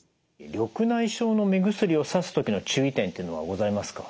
緑内障の目薬をさす時の注意点というのはございますか？